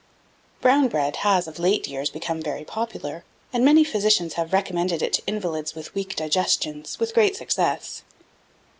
Brown bread has, of late years, become very popular; and many physicians have recommended it to invalids with weak digestions with great success.